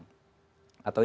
atau yang sudah diberikan